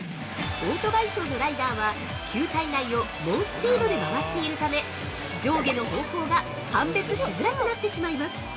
◆オートバイショーのライダーは球体内を猛スピードで回っているため上下の方向が判別しづらくなってしまいます。